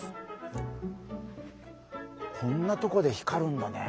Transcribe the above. こんなとこで光るんだね。